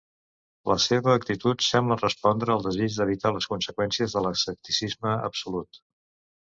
La seva actitud sembla respondre al desig d'evitar les conseqüències de l'escepticisme absolut.